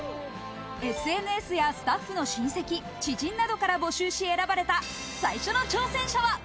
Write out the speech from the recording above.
ＳＮＳやスタッフの親戚、知人などから募集し選ばれた最初の挑戦者は。